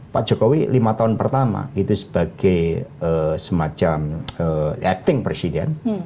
pak jokowi lima tahun pertama itu sebagai semacam acting presiden